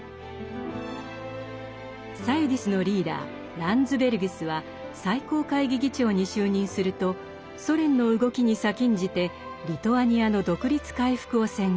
サユディスのリーダーランズベルギスは最高会議議長に就任するとソ連の動きに先んじてリトアニアの独立回復を宣言。